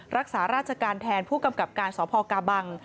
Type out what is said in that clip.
รักษาราชการแทนผู้กำกับการสพกาบัง